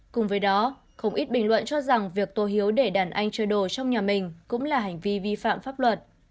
cùng với đó không ít bình luận cho rằng việc tô hiếu để đàn anh chơi đồ trong nhà mình cũng là hành vi vi phạm pháp luật